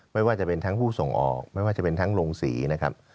ไม่ว่าจะเป็นทั้งผู้ส่งออกไม่ว่าจะเป็นทั้งโรงศรีนะครับ